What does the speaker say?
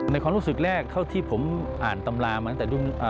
ความรู้สึกแรกเท่าที่ผมอ่านตำรามาตั้งแต่รุ่น